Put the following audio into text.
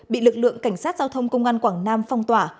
bị lực lượng cảnh sát giao thông công an quảng nam phong tỏa